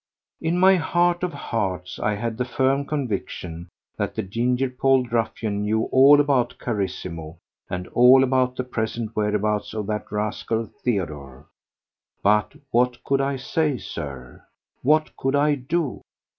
In my heart of hearts I had the firm conviction that the ginger polled ruffian knew all about Carissimo and all about the present whereabouts of that rascal Theodore. But what could I say, Sir? What could I do?